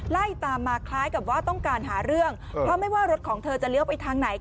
ไล่ตามมาคล้ายกับว่าต้องการหาเรื่องเพราะไม่ว่ารถของเธอจะเลี้ยวไปทางไหน